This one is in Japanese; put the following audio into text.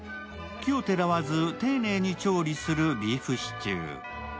奇をてらわず丁寧に調理するビーフシチュー。